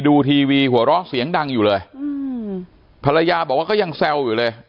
ดูทีวีหัวเราะเสียงดังอยู่เลยอืมภรรยาบอกว่าก็ยังแซวอยู่เลย